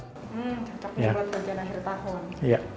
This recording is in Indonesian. hmm cantik nih buat perjanjian akhir tahun